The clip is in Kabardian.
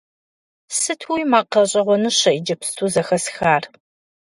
Сытуи макъ гъэщӀэгъуэныщэ иджыпсту зэхэсхар!